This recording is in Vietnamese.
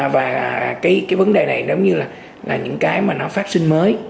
và cái vấn đề này nếu như là những cái mà nó phát sinh mới